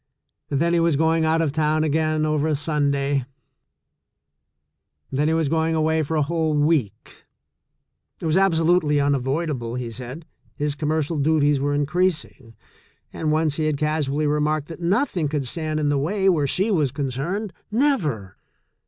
Then he was going out of town again, over Sunday. Then he was going away for a whole week — it was absolutely unavoidable, he said, his com mercial duties were increasing — and once he had cas ually remarked that nothing could stand in the way where she was concerned — never